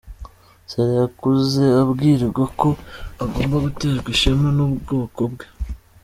Sarah, yakuze abwirwa ko agomba guterwa ishema n’ubwoko bwe.